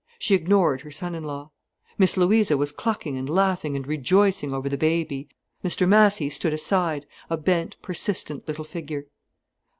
She ignored her son in law. Miss Louisa was clucking and laughing and rejoicing over the baby. Mr Massy stood aside, a bent, persistent little figure.